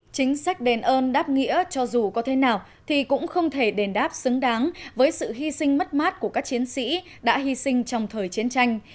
chính sách đền ơn đáp nghĩa cho dù có thế nào thì cũng không thể đền đáp xứng đáng với sự hy sinh mất mát của các chiến sĩ đã hy sinh trong thời chiến tranh